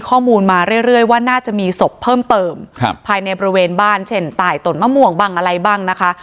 ข้อมูลมาเรื่อยว่าน่าจะมีศพเพิ่มเติมครับภายในบริเวณบ้านเช่นตายตนมะม่วงบ้างอะไรบ้างนะคะ